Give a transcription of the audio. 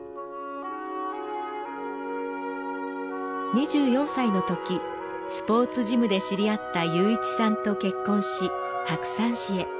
２４歳のときスポーツジムで知り合った雄一さんと結婚し白山市へ。